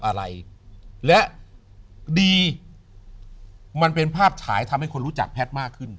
อะไรและดีมันเป็นภาพฉายทำให้คนรู้จักแพทย์มากขึ้น